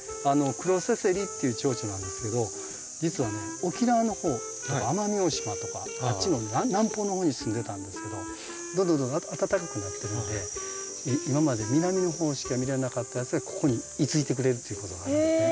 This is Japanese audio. クロセセリっていうチョウチョなんですけど実はね沖縄の方奄美大島とかあっちの南方の方に住んでたんですけどどんどんどんどん暖かくなってるので今まで南の方しか見れなかったやつがここに居ついてくれるっていうことがあるんですね。